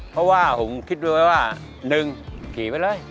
เพราะว่าผมคิดไว้ว่า๑ขี่ไปเลย